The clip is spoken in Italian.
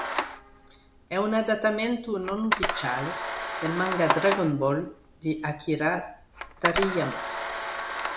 È un adattamento non ufficiale del manga "Dragon Ball" di Akira Toriyama.